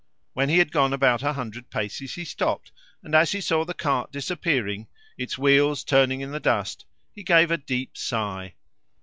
When he had gone about a hundred paces he stopped, and as he saw the cart disappearing, its wheels turning in the dust, he gave a deep sigh.